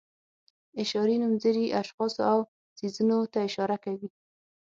اشاري نومځري اشخاصو او څیزونو ته اشاره کوي.